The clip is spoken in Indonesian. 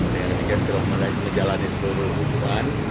dengan demikian sudah menjalani seluruh hukuman